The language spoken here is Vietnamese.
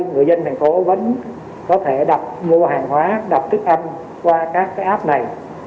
người dân thành phố vẫn có thể đập mua hàng hóa đập thức ăn qua các cái app này